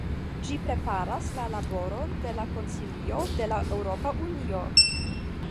Ĝi preparas la laboron de la Konsilio de la Eŭropa Unio.